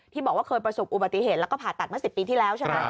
บอกว่าเคยประสบอุบัติเหตุแล้วก็ผ่าตัดเมื่อ๑๐ปีที่แล้วใช่ไหม